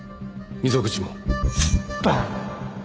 溝口も？